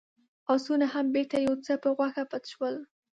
آسونه هم بېرته يو څه په غوښه پټ شول.